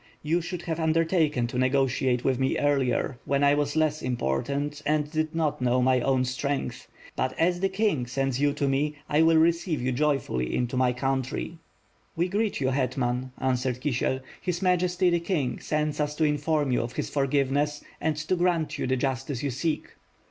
You should have undertaken to negotiate with me earlier, when I was less important and did not know my own strength; but, as the king sends you to me, I will receive you joyfully into my oount^/' "We greet you, hetman," answered Kisiel. "His Majesty, the King, sends us to inform you of his forgiveness, and to grant you the justice you seek."